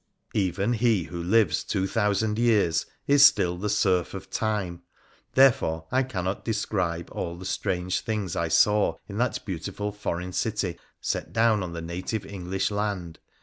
Even he who lives two thousand years is still the serf of time, therefore I cannot describe all the strange things I saw in that beautiful foreign city set down on the native English land.